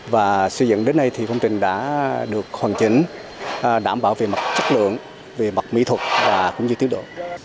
và xây dựng đến nay thì công trình đã được hoàn chỉnh đảm bảo về mặt chất lượng về mặt mỹ thuật và cũng như tiêu độ